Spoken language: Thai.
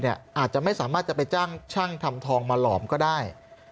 อาจจะไม่สามารถจะไปจ้างช่างทำทองมาหลอมก็ได้